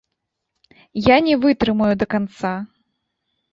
Я не вытрымаю да канца.